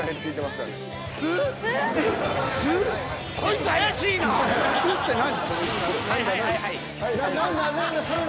「す」って何？